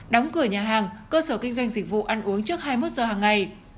đóng cửa nhà hàng cơ sở kinh doanh dịch vụ ăn uống trước hai mươi một giờ hàng ngày